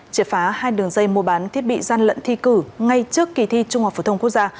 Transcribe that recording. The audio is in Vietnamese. triệt phá hai đường dây mua bán thiết bị gian lận thi cử ngay trước kỳ thi trung học phổ thông quốc gia